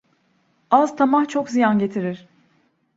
Az tamah, çok ziyan getirir.